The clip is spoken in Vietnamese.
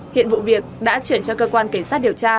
hiện vụ việc đã chuyển cho cơ quan cảnh sát điều tra